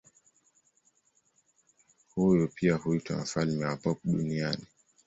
Huyu pia huitwa mfalme wa pop duniani.